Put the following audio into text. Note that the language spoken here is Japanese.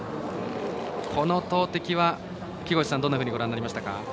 この投てきは、木越さんどんなふうにご覧になりましたか。